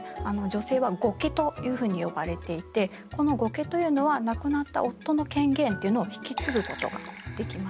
女性は後家というふうに呼ばれていてこの後家というのは亡くなった夫の権限というのを引き継ぐことができました。